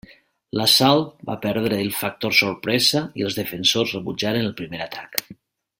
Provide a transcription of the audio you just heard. L'assalt va perdre el factor sorpresa i els defensors rebutjaren el primer atac.